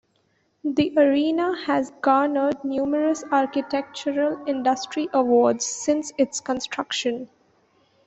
The arena has garnered numerous architectural industry awards since its construction.